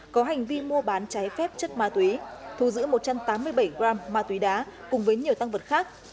có hành vi mua bán trái phép chất ma túy thu giữ một trăm tám mươi bảy gram ma túy đá cùng với nhiều tăng vật khác